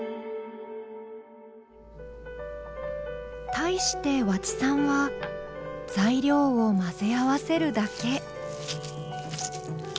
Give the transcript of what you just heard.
対して和知さんは材料を混ぜ合わせるだけ。